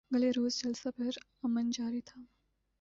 گلے روز جلسہ پر امن جاری تھا